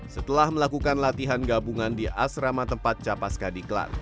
setelah melakukan latihan gabungan di asrama tempat capaska diklat